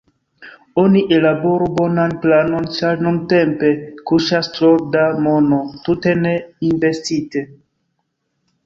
Oni ellaboru bonan planon, ĉar nuntempe kuŝas tro da mono tute ne investite.